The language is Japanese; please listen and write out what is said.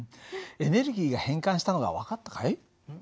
エネルギーが変換したのが分かったかい？